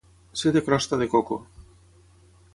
Ser de crosta de coco.